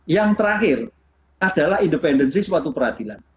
yang terakhir adalah independensi suatu peradilan